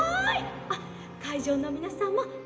あっかいじょうのみなさんもありがとう！